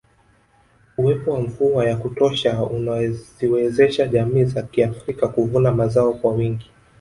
Uwepo wa mvua ya kutosha unaziwezesha jamii za kiafrika kuvuna mazao kwa wingi